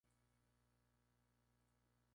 Su actividad se desarrolla en los cinco continentes.